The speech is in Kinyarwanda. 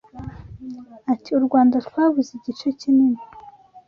Ati “U Rwanda twabuze igice kinini